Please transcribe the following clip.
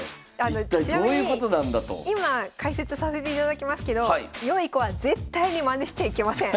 ちなみに今解説させていただきますけど良い子は絶対にマネしちゃいけません！